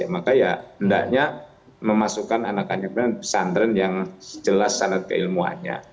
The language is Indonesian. maka ya hendaknya memasukkan anak anak pesantren yang jelas sangat keilmuannya